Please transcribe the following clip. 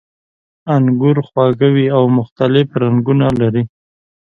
انګور خواږه وي او مختلف رنګونه لري.